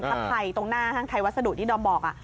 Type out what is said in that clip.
ทะไผ่ตรงหน้าทางทไทวัสดุที่ดอมบอก